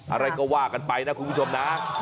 อะไรก็ว่ากันไปนะคุณผู้ชมนะ